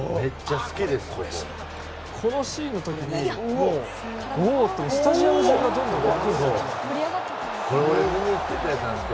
このシーンの時にスタジアム中が沸いたんですよ。